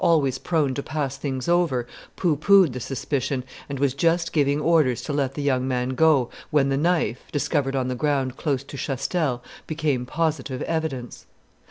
always prone to pass things over, pooh poohed the suspicion, and was just giving orders to let the young man go, when the knife, discovered on the ground close to Chastel, became positive evidence.